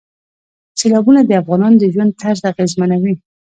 سیلابونه د افغانانو د ژوند طرز اغېزمنوي.